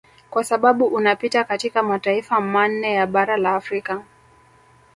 Kwa sababu unapita katika mataifa manne ya bara la Afrika